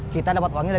kita dulu luminan